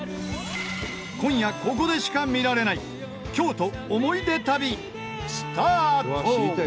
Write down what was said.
今夜ここでしか見られない京都思い出旅スタート！